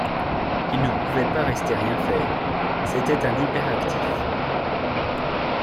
Il ne pouvait pas rester rien faire, c'était un hyperactif.